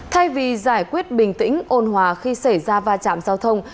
thay vì giải quyết bình tĩnh ôn hòa khi xảy ra va chạm giao thông